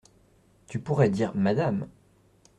Tu pourrais dire : «Madame».